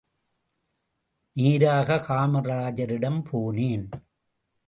நேராக காமராஜரிடம் போனேன்.